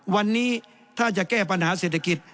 วันนี้ถ้าจะแก้ปัญหาเศรษฐกิจ